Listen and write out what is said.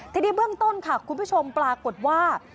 ทีนี้เบื้องต้นค่ะคุณผู้ชมปรากฏว่า